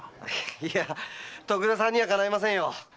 いや徳田さんにはかないませんよ。